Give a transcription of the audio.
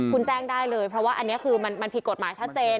คุณแจ้งได้เลยเพราะว่าอันนี้คือมันผิดกฎหมายชัดเจน